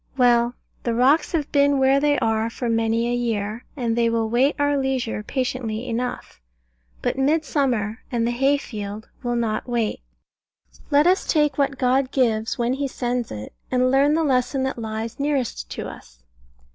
Well, the rocks have been where they are for many a year, and they will wait our leisure patiently enough: but Midsummer and the hay field will not wait. Let us take what God gives when He sends it, and learn the lesson that lies nearest to us.